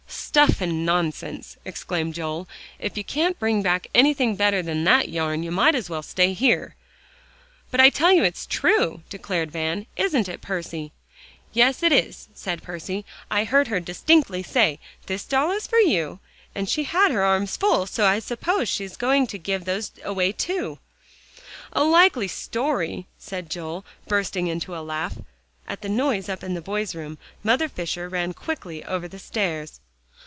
"Stuff and nonsense!" exclaimed Joel, "if you can't bring back anything better than that yarn, you might as well stay here." "But I tell you it's true," declared Van, "isn't it, Percy?" "Yes, it is," said Percy. "I heard her distinctly say, 'This doll is for you' and she had her arms full, so I suppose she's going to give those away too" "A likely story," said Joel, bursting into a laugh. At the noise up in the boys' room, Mother Fisher ran quickly over the stairs.